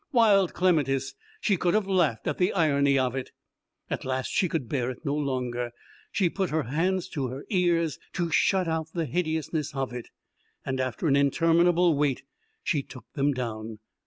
Wild clematis! She could have laughed at the irony of it. At last she could bear it no longer; she put her hands to her ears to shut out the hideousness of it. After an interminable wait she took them down.